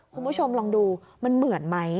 คุณผู้ชมลองดูมันเหมือนไหม